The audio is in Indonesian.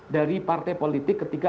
dari partai politik ketika